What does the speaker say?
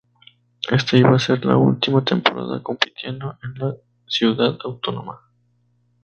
Esta iba a ser la última temporada compitiendo en la ciudad autónoma.